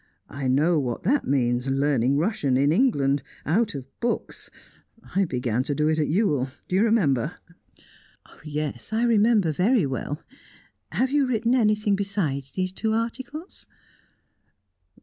I know what that means learning Russian in England, out of books. I began to do it at Ewell do you remember?" "Yes, I remember very well. Have you written anything besides these two articles?"